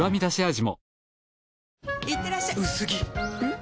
ん？